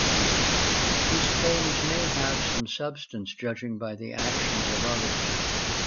These claims may have had some substance judging by the actions of others.